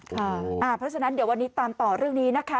เพราะฉะนั้นเดี๋ยววันนี้ตามต่อเรื่องนี้นะคะ